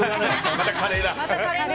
またカレーだ。